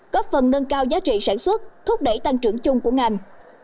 góp phần nâng cao giá trị sản xuất thúc đẩy tăng trưởng chung của ngành